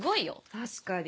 確かに。